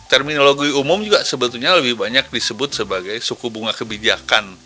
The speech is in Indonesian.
terminologi umum juga sebetulnya lebih banyak disebut sebagai suku bunga kebijakan